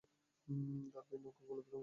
তার পায়ের নখ গোলাপী রঙে আঁকা ছিল।